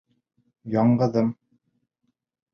Яңғыҙым.